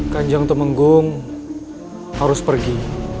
kanjeng temenggu harus pergi